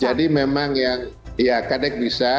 jadi memang yang ya kadek bisa